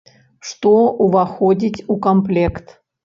Што ўваходзіць у камплект?